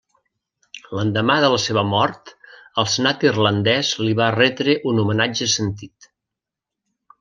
L'endemà de la seva mort el Senat irlandès li va retre un homenatge sentit.